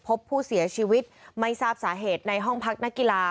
พบผู้เสียชีวิตไม่ทราบสาเหตุในห้องพักนักกีฬา